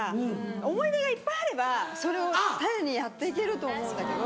思い出がいっぱいあればそれを種にやってけると思うんだけど。